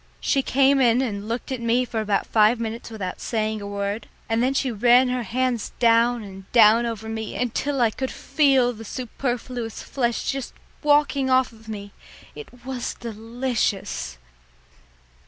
She came in and looked at me for about five minutes without saying a word, and then she ran her hands down and down over me until I could feel the superfluous flesh just walking off of me. It was delicious!